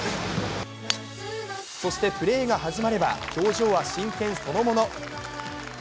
そしてプレーが始まれば表情は真剣そのもの。